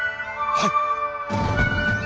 はい。